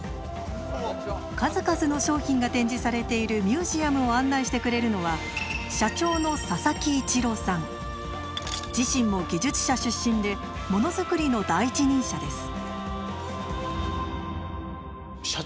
数々の商品が展示されているミュージアムを案内してくれるのは自身も技術者出身でものづくりの第一人者です。